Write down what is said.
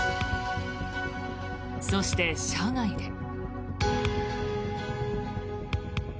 そして、車外で。